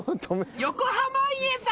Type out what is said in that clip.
横濱家さん